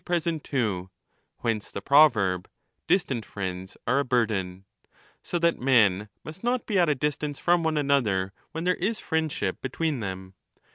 1245^ ETHICA EUDEMIA too ; whence the proverb, 'distant friends are a burden ', so that men must not be at a distance from one another when 25 there is friendship between them.